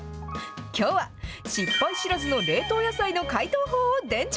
きょうは失敗知らずの冷凍野菜の解凍法を伝授。